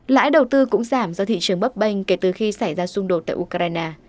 lãi đầu tư cũng giảm do thị trường bấp bênh kể từ khi xảy ra xung đột tại ukraine